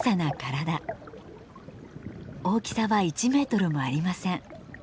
大きさは１メートルもありません。